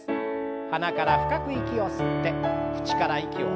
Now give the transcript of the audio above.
鼻から深く息を吸って口から息を吐ききって。